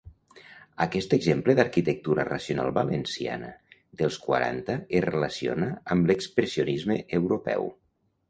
Aquest exemple d'arquitectura racionalista valenciana dels quaranta es relaciona amb l'expressionisme europeu.